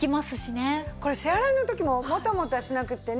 これ支払いの時もモタモタしなくてね